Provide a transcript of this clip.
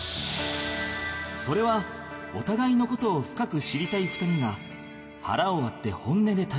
それはお互いの事を深く知りたい２人が腹を割って本音で対談